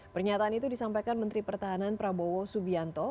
pernyataan itu disampaikan menteri pertahanan prabowo subianto